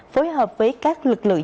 phối hợp với các lực lượng